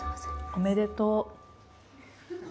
おめでとう！